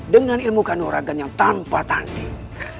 dengan ilmu kandung ragan yang tanpa tanding